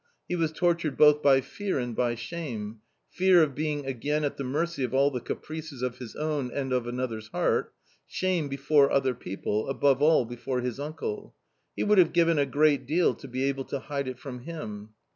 He was tortured both by fear and by shame — fear of being again at the mercy of all the caprices of his own and of another's heart; shame before other people, above all before his uncle. He would have given a great deal to be able to hide it from him.